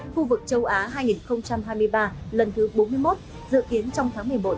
khu vực châu á hai nghìn hai mươi ba lần thứ bốn mươi một dự kiến trong tháng một mươi một